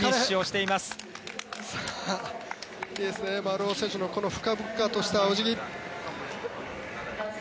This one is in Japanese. いいですね、丸尾選手のこの深々としたお辞儀。